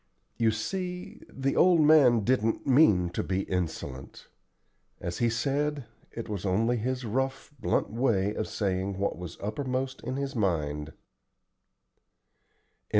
You see the old man didn't mean to be insolent. As he said, it was only his rough, blunt way of saying what was uppermost in his mind."